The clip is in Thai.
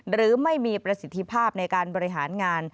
หรือไม่มีประสิทธิภาพในการบริหารงาน